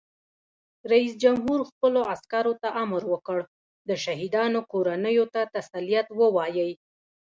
رئیس جمهور خپلو عسکرو ته امر وکړ؛ د شهیدانو کورنیو ته تسلیت ووایئ!